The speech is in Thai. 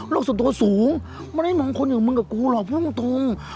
โลกสัตว์สูงมันไม่ได้มองคนอย่างมึงกับกูหรอกพี่น้องตรง